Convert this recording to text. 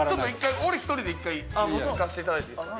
俺１人で一回いかせていただいていいっすか？